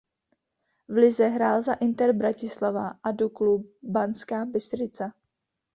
V lize hrál za Inter Bratislava a Duklu Banská Bystrica.